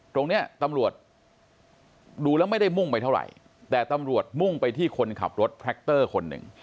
ตรงนี้ตำรวจดูแล้วไม่ได้มุ่งไปเท่าไหร่แต่ตำรวจมุ่งไปที่คนขับรถแรคเตอร์คนหนึ่ง